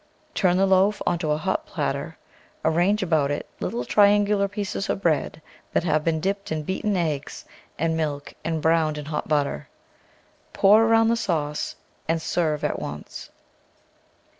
Turn the loaf onto a hot platter, arrange about it little triangular pieces of bread that have been dipped in beaten eggs and milk and browned in hot butter. Pour around the sauce and serve at once.